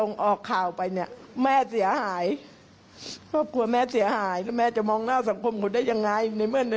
ก็กลัวแม่เสียหายแล้วแม่จะมองหน้าสังคมคนได้ยังไง